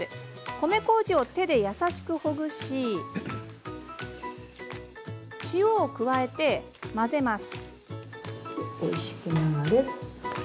米こうじを手で優しくほぐし塩を加えて、混ぜます。